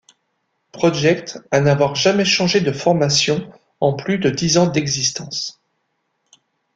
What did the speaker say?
Project à n'avoir jamais changé de formation en plus de dix ans d'existence.